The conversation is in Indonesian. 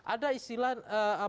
ada istilah apa